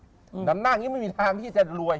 ถ้านำแน่นนี้ไม่มีทางที่จะรวย